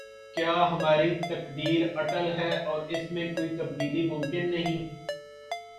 کیا ہماری تقدیر اٹل ہے اور اس میں کوئی تبدیلی ممکن نہیں؟